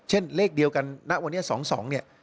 เช่นเลขเดียวกันณวันนี้๒๒เนี่ย